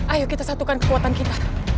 ayo kita satukan kekuatan kita